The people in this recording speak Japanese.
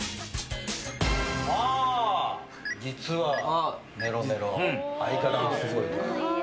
実はメロメロ相方のスゴいとこ。